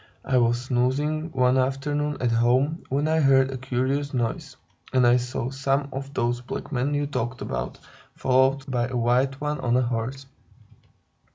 "I was snoozing, one afternoon, at home, when I heard a curious noise, and I saw some of those black men you talked about, followed by a white one on a horse.